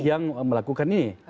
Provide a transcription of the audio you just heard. yang melakukan ini